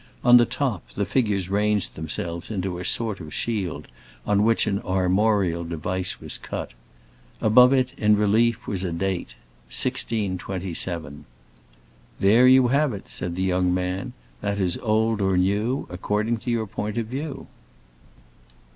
On the top, the figures ranged themselves into a sort of shield, on which an armorial device was cut. Above it, in relief, was a date—1627. "There you have it," said the young man. "That is old or new, according to your point of view."